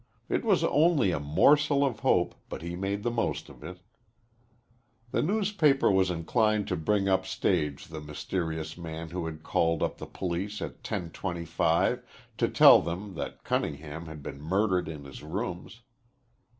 It was only a morsel of hope, but he made the most of it. The newspaper was inclined to bring up stage the mysterious man who had called up the police at 10.25 to tell them that Cunningham had been murdered in his rooms.